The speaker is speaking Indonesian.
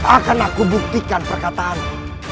akan aku buktikan perkataanmu